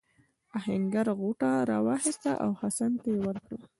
آهنګر غوټه راواخیسته او حسن ته یې ورکړه.